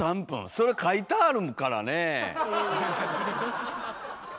それ書いてあるからね。